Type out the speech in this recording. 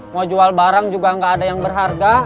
mau jual barang juga nggak ada yang berharga